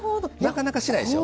なかなかしないでしょ？